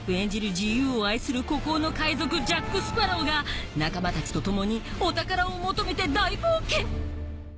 自由を愛する孤高の海賊ジャック・スパロウが仲間たちと共にお宝を求めて大冒険